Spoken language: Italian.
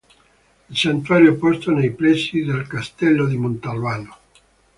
Il Santuario è posto nei pressi del castello di Montalbano.